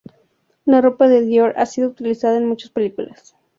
La ropa de Dior ha sido utilizada en muchas películas.